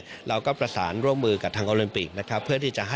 ด้านนักกีฬานอกจากการได้มารับประทานอาหารไทยให้อิ่มท้องยังคำนึงถึงเรื่องของโภชนาการ